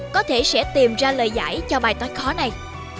có thể sẽ tìm ra lời giải cho bài toán khó này